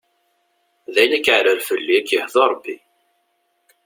Dayen akeɛrer fell-i ad k-yehdu ṛebbi!